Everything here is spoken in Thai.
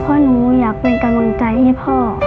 เพราะหนูอยากเป็นกำลังใจให้พ่อ